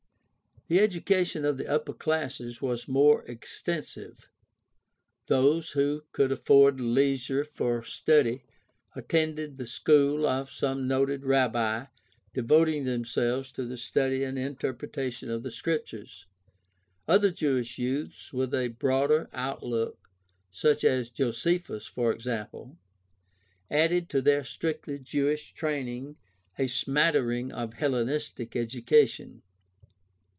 The education of the upper classes was more extensive. Those who could afford leisure for study attended the school of some noted rabbi, devoting themselves to the study and interpretation of the Scriptures. Other Jewish youths with a broader outlook, such as Josephus, for example, added to their strictly Jewish training a smattering of Hellenistic education.